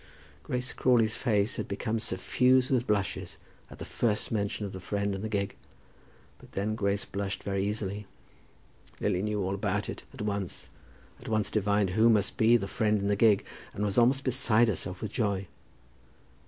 Grace Crawley's face had become suffused with blushes at the first mention of the friend and the gig; but then Grace blushed very easily. Lily knew all about it at once; at once divined who must be the friend in the gig, and was almost beside herself with joy.